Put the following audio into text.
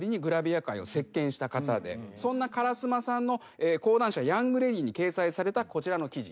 そんな烏丸さんの講談社『ヤングレディ』に掲載されたこちらの記事。